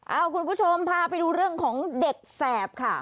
เอาคุณผู้ชมพาไปดูเรื่องของเด็กแสบค่ะ